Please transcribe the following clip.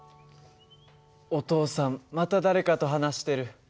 お父さんまた誰かと話してる。